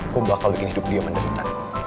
gue bakal bikin hidup dia menderita